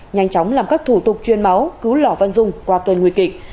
nhanh chóng làm các thủ tục truyền máu cứu lò văn dung qua tuần nguy kịch